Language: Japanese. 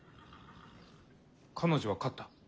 彼女は勝った。